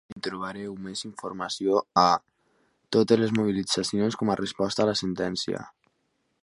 En trobareu més informació a: Totes les mobilitzacions com a resposta a la sentència.